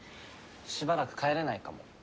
しばらく帰れないかも。